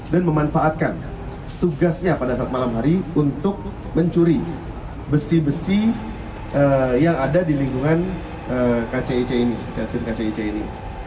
dan memanfaatkan tugasnya pada saat malam hari untuk mencuri besi besi yang ada di lingkungan kcic ini